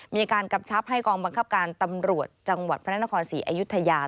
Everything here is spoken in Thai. มีการกำชับให้กองบังคับการตำรวจจังหวัดพระนครศรีอยุธยา